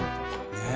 ねえ。